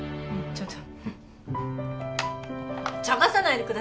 ちょっと。